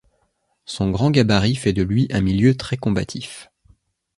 Son grand gabarit fait de lui un milieu très combatif.